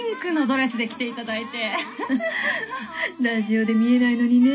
ラジオで見えないのにね。